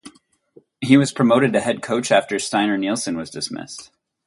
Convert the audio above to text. He was promoted to head coach after Steinar Nilsen was dismissed.